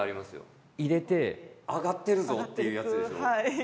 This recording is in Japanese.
入れて揚がってるぞっていうやつですよね。